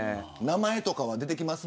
名前とか出てきます